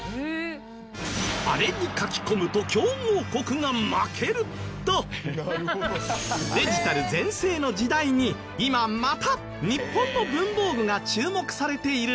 あれに書き込むと強豪国が負ける！？とデジタル全盛の時代に今また日本の文房具が注目されているんです。